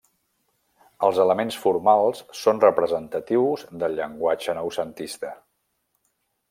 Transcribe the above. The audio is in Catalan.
Els elements formals són representatius del llenguatge noucentista.